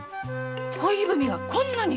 恋文がこんなに⁉